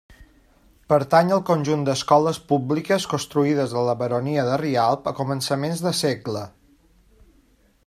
Pertany al conjunt d'escoles públiques construïdes a la Baronia de Rialb a començaments de segle.